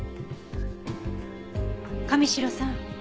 神城さん